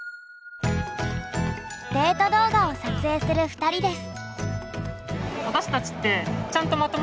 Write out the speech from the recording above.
デート動画を撮影する２人です。